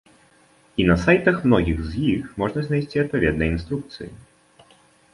І на сайтах многіх з іх можна знайсці адпаведныя інструкцыі.